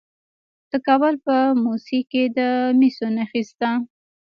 د کابل په موسهي کې د مسو نښې شته.